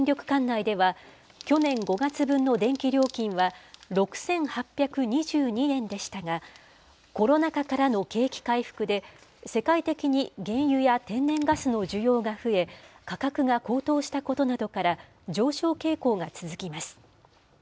管内では、去年５月分の電気料金は６８２２円でしたが、コロナ禍からの景気回復で、世界的に原油や天然ガスの需要が増え、価格が高騰したことなどから、上昇傾向が続きます。